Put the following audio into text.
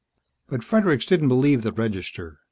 But Fredericks didn't believe the register.